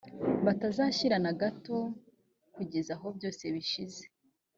batazashira na hato kugeza aho byose bishize